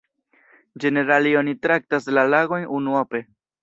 Ĝenerale oni traktas la lagojn unuope.